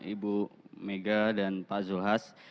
ibu mega dan pak zulhas